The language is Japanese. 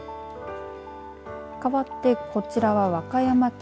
かわってこちらは和歌山県。